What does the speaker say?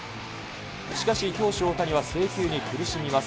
しかし、投手、大谷は制球に苦しみます。